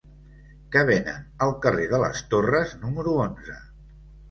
Què venen al carrer de les Torres número onze?